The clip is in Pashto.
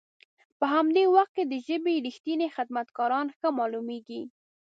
په همدي وخت کې د ژبې رښتني خدمت کاران ښه مالومیږي.